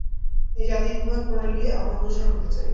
এই জাতিবিভাগ-প্রণালীই আমরা অনুসরণ করতে চাই।